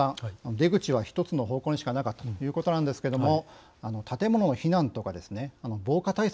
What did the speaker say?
出口は１つの方向にしかなかったということなんですけども建物の避難とかですね防火対策